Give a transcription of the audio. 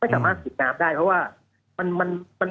ไม่สามารถสูงน้ำได้เพราะว่า